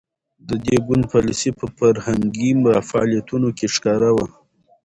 د دې ګوند پالیسي په فرهنګي فعالیتونو کې ښکاره وه.